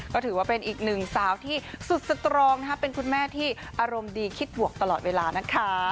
ก็ถือว่าเป็นอีกหนึ่งสาวที่สุดสตรองเป็นคุณแม่ที่อารมณ์ดีคิดบวกตลอดเวลานะคะ